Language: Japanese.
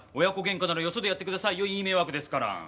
親子げんかならよそでやってくださいよいい迷惑ですから。